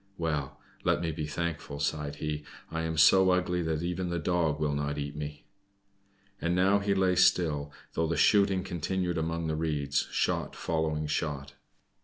"Well! let me be thankful," sighed he. "I am so ugly that even the Dog will not eat me." And now he lay still, though the shooting continued among the reeds, shot following shot.